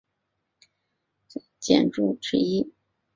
奥德莉庄园是英格兰最出色的詹姆斯一世时期建筑之一。